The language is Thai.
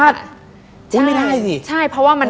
ดิงกระพวน